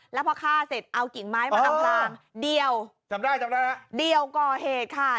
แล้วพอฆ่าเสร็จเอากิ่งไม้มาทำพลางเดี่ยวก็เหตุค่ะ